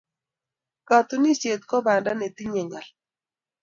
Katunisyet ko banda netinyei ng'al.